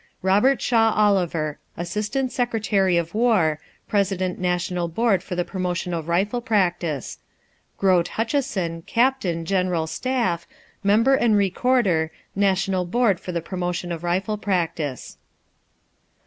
ROBERT SHAW OLIVER, Assistant Secretary of War, President National Board for the Promotion of Rifle Practice. GROTE HUTCHESON, Captain, General Staff, Member and Recorder, National Board for the Promotion of Rifle Practice.